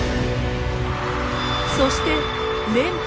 そして連覇。